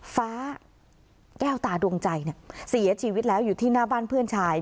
ฟ้าแก้วตาดวงใจเสียชีวิตแล้วอยู่ที่หน้าบ้านเพื่อนชาย